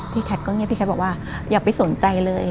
แคทก็เงียบพี่แคทบอกว่าอย่าไปสนใจเลย